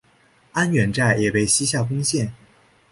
安远寨也被西夏攻陷。